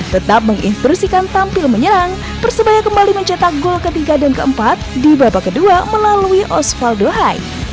tetap menginstrusikan tampil menyerang persebaya kembali mencetak gol ketiga dan keempat di babak kedua melalui osvaldo hai